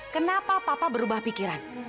kenapa papa berubah pikiran